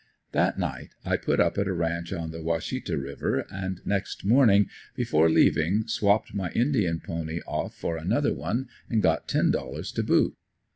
That night I put up at a ranch on the Washita river and next morning before leaving swapped my indian pony off for another one and got ten dollars to boot.